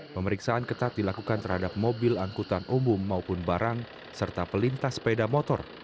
pemeriksaan ketat dilakukan terhadap mobil angkutan umum maupun barang serta pelintas sepeda motor